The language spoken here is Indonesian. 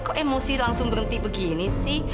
kok emosi langsung berhenti begini sih